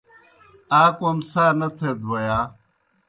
آ کوْم څھا نہ تھیت بوْ یا؟